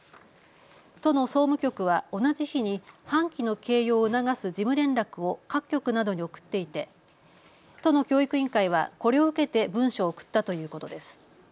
都の総務局は同じ日に半旗の掲揚を促す事務連絡を各局などに送っていて都の教育委員会はこれを受けて文書を送ったということです。